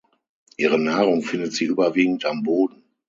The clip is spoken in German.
Ihre Nahrung findet sie überwiegend am Boden.